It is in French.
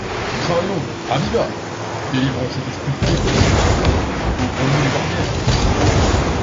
Travaillons ! Habit bas ! Délivrons cet esprit fécond qui veut sortir, ouvrons-lui les barrières.